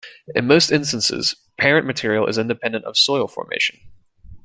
In most instances, parent material is independent of soil formation.